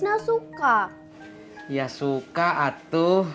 nah mereka mal chief